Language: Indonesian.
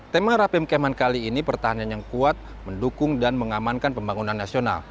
tema rapim keman kali ini pertahanan yang kuat mendukung dan mengamankan pembangunan nasional